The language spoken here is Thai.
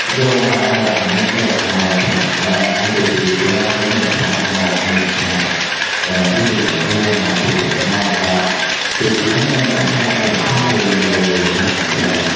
หรือเปล่าล้อล่อ